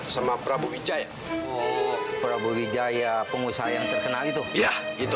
sampai jumpa di video selanjutnya